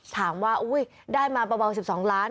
ถามว่าได้มาเบา๑๒ล้าน